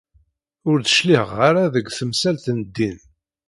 Ur d-cliɛeɣ ara deg temsal n ddin.